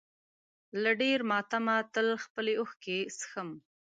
له ډېر ماتمه تل خپلې اوښکې څښم.